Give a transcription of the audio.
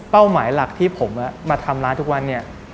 หมายหลักที่ผมมาทำร้านทุกวันเนี่ย